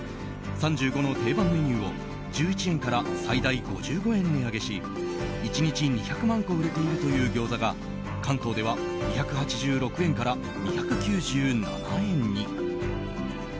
３５の定番メニューを１１円から最大５５円値上げし１日２００万個売れているというギョーザが関東では２８６円から２９７円に。